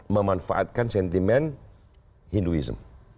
memanfaatkan sentimen hinduism